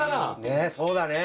ねえそうだねえ。